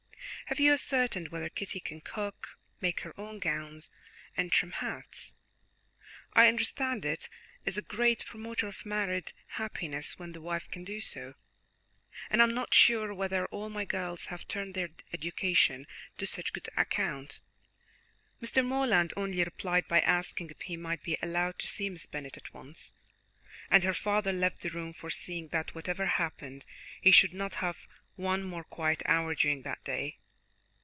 Have you ascertained whether Kitty can cook, make her own gowns, and trim hats? I understand it is a great promoter of married happiness when the wife can do so, and I am not sure whether all my girls have turned their education to such good account." Mr. Morland only replied by asking if he might be allowed to see Miss Bennet at once, and her father left the room, foreseeing that, whatever happened, he should not have one more quiet hour during that day.